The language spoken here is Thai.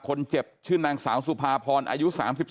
คนเจ็บชื่อนางสาวสุภาพรอายุ๓๒